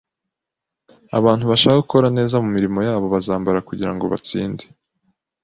Abantu bashaka gukora neza mumirimo yabo bazambara kugirango batsinde